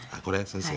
先生？